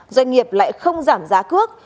doanh nghiệp lại không giảm giá cước